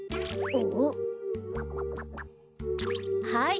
はい。